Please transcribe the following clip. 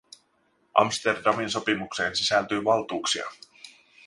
Amsterdamin sopimukseen sisältyy valtuutuksia.